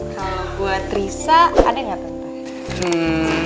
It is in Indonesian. kalo buat risa ada gak temen temen